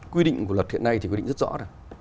quy định của luật hiện nay thì quy định rất rõ là